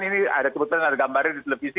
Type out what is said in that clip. ini ada gambarnya di televisi